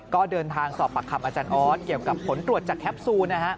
ก็เดินทางสอบปากคำอาจารย์ออสเกี่ยวกับผลตรวจจากแคปซูลนะฮะ